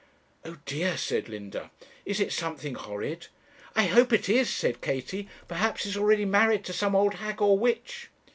'O dear!' said Linda; 'is it something horrid?' 'I hope it is,' said Katie; 'perhaps he's already married to some old hag or witch.'